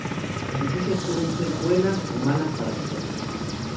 Las noticias pueden ser buenas o malas para nosotros.